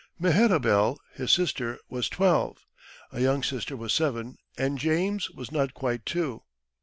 Mehetabel, his sister, was twelve, a younger sister was seven, and James was not quite two.